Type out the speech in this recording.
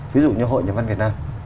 ví dụ như hội nhân văn việt nam